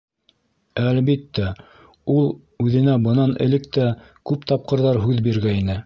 Әлбиттә, ул үҙенә бынан элек тә күп тапҡырҙар һүҙ биргәйне.